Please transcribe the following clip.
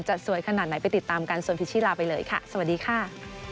สวยขนาดไหนไปติดตามกันส่วนพิชิลาไปเลยค่ะสวัสดีค่ะ